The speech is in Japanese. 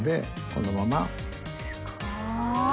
このまま。